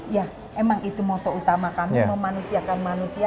ya emang itu moto utama kami memanusiakan manusia